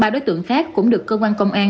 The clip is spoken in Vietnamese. ba đối tượng khác cũng được cơ quan công an